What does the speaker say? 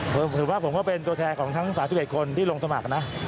ผมถือว่าผมก็เป็นตัวแทนของทั้ง๓๑คนที่ลงสมัครนะ